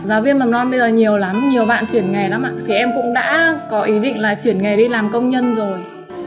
giáo viên mầm non bây giờ nhiều lắm nhiều bạn chuyển nghề lắm ạ thì em cũng đã có ý định là chuyển nghề đi làm công nhân rồi